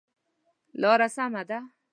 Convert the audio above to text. لاره سمه ده؟